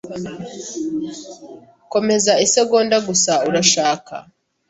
Komeza isegonda gusa, urashaka?